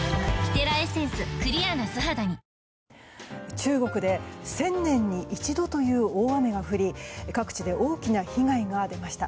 中国で１０００年に一度という大雨が降り各地で大きな被害が出ました。